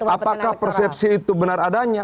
apakah persepsi itu benar adanya